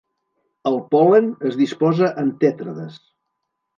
El pol·len es disposa en tètrades.